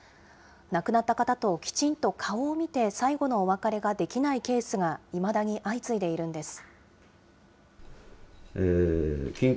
亡くなった方ときちんと顔を見て最後のお別れができないケースがいまだに相次いでいるんです。